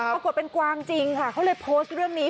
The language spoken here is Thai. ปรากฏเป็นกวางจริงค่ะเขาเลยโพสต์เรื่องนี้